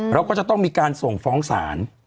แล้วก็จะต้องมีการส่งฟ้องศาล